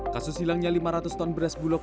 kasus hilangnya lima ratus ton beras bulog